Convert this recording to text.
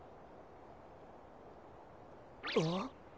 あっ。